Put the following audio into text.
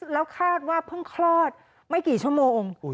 แล้วคาดว่าเพิ่งคลอดไม่กี่ชั่วโมง